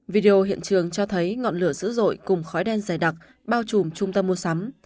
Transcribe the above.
video hiện trường cho thấy ngọn lửa dữ dội cùng khói đen dày đặc bao trùm trung tâm mua sắm